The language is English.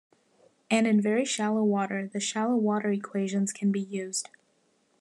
And in very shallow water, the shallow water equations can be used.